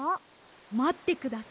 まってください。